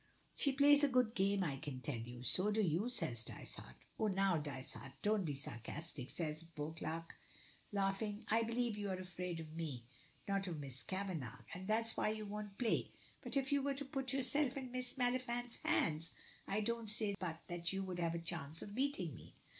"She plays a good game, I can tell you." "So do you," says Dysart. "Oh, now, Dysart, don't be sarcastic," says Beauclerk laughing. "I believe you are afraid of me, not of Miss Kavanagh, and that's why you won't play. But if you were to put yourself in Miss Maliphant's hands, I don't say but that you would have a chance of beating me."